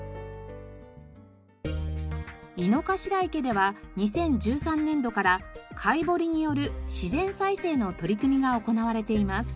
井の頭池では２０１３年度からかいぼりによる自然再生の取り組みが行われています。